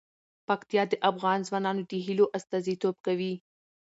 پکتیا د افغان ځوانانو د هیلو استازیتوب کوي.